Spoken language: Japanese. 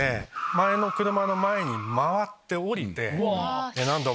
前の車の前に回って降りて。